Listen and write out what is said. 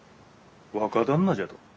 「若旦那」じゃと？